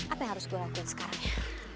apa yang harus gue lakuin sekarang ya